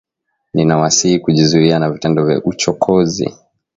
Ninawasihi kujizuia na vitendo vya uchokozi